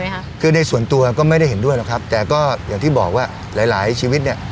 ค่ะคือในส่วนตัวก็ไม่ได้เห็นด้วยหรอกครับแต่ก็อย่างที่บอกว่าหลายหลายชีวิตเนี่ย